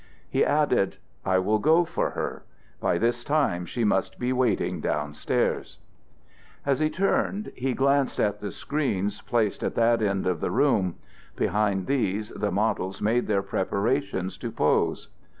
He added, "I will go for her. By this time she must be waiting down stairs." As he turned he glanced at the screens placed at that end of the room; behind these the models made their preparations to pose.